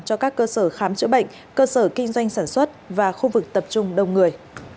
cho các cơ sở khám chữa bệnh cơ sở kinh doanh sản xuất và khu vực tập trung đông người